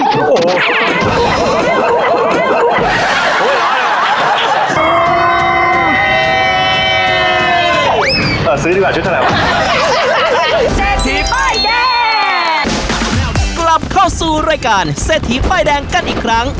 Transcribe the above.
เศรษฐีป้ายแดงกลับเข้าสู่รายการเศรษฐีป้ายแดงกันอีกครั้ง